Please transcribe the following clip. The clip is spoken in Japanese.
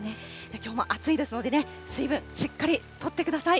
きょうも暑いですのでね、水分、しっかりとってください。